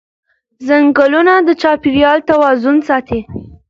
ځنګلونه د چاپېریال توازن ساتي